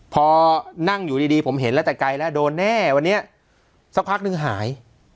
พอนั่งอยู่ดีผมเห็นแล้วแต่ไกลแล้วโดนแน่วันนี้สักพักนึงหาย